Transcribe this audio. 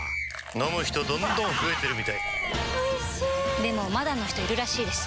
飲む人どんどん増えてるみたいおいしでもまだの人いるらしいですよ